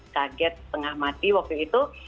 kaget tengah mati waktu itu